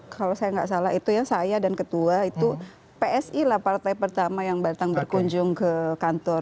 kalau saya nggak salah itu ya saya dan ketua itu psi lah partai pertama yang datang berkunjung ke kantor